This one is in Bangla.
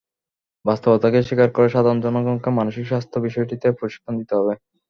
বাস্তবতাকে স্বীকার করে সাধারণ জনগণকে মানসিক স্বাস্থ্য বিষয়টিতে প্রশিক্ষণ দিতে হবে।